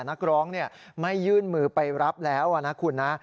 นักร้องไม่ยื่นมือไปรับแล้วนะคุณนะ